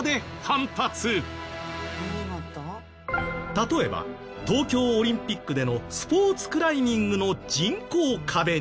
例えば東京オリンピックでのスポーツクライミングの人工壁には。